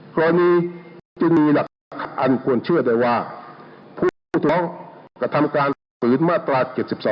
คราวนี้จะมีหลักอันควรเชื่อได้ว่าผู้ถูกคล้องกับธรรมการสืบมาตรา๗๒